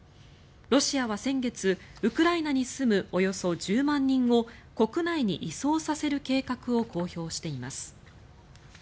ロシアは先月、ウクライナに住むおよそ１０万人を国内に移送させる計画を公表しています。